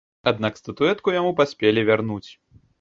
Аднак статуэтку яму паспелі вярнуць.